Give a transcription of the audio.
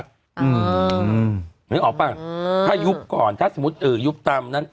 ถ้ายุบก่อนสมมุติยุบต่ำ